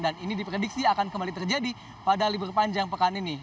dan ini diprediksi akan kembali terjadi pada libur panjang pekan ini